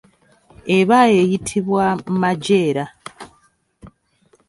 Eba eyitibwa majeera.